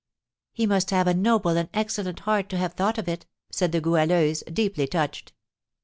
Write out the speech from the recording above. "He must have a noble and excellent heart to have thought of it," said the Goualeuse, deeply touched.